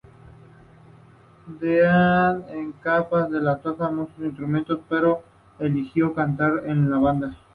Dan es capaz de tocar muchos instrumentos, pero eligió cantar en la banda.